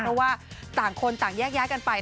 เพราะว่าต่างคนต่างแยกย้ายกันไป